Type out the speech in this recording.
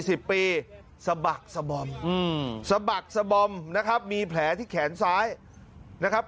สบักสบมสบักสบมนะครับมีแผลที่แขนซ้ายนะครับ